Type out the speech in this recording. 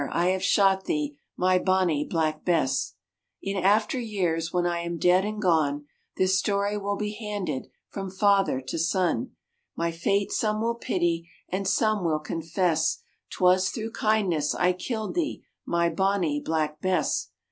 I have shot thee, My Bonnie Black Bess. In after years When I am dead and gone, This story will be handed From father to son; My fate some will pity, And some will confess 'Twas through kindness I killed thee, My Bonnie Black Bess.